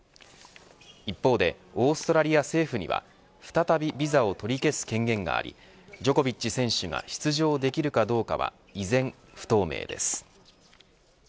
一方でオーストラリア政府には再びビザを取り消す権限がありジョコビッチ選手が出場できるかどうかは依然、不透明です。